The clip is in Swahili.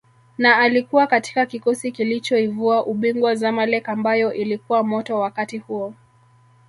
na alikuwa katika kikosi kilichoivua ubingwa Zamaleck ambayo ilikuwa moto wakati huo